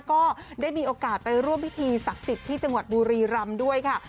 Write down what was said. ก็ได้มีโอกาสไปร่วมพิธีศักดิ์สิทธิ์ที่จังหวัดบุรีรำด้วยค่ะ